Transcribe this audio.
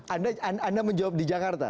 anda menjawab di jakarta